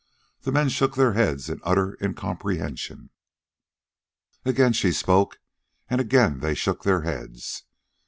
The men shook their heads in utter incomprehension. Again she spoke, and again they shook their heads.